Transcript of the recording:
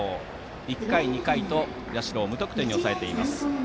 １回、２回と社を無得点に抑えています。